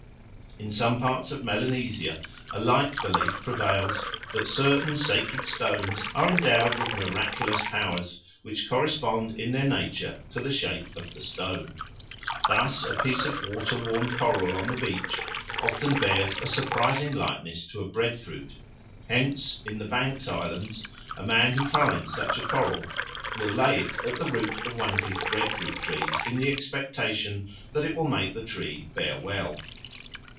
In some parts of Melanesia a like belief prevails that certain sacred stones are endowed with miraculous powers which correspond in their nature to the shape of the stone. Thus a piece of water worn coral on the beach often bears a surprising likeness to a bread fruit. Hence in the Banks Islands a man who finds such a coral will lay it at the root of one of his bread fruit trees in the expectation that it will make the tree bear well.